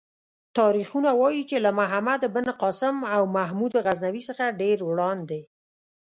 تاریخونه وايي چې له محمد بن قاسم او محمود غزنوي څخه ډېر وړاندې.